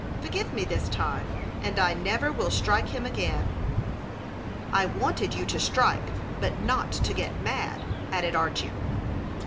Forgive me this time, and I never will strike him again." "I wanted you to strike, but not to get mad," added Archy.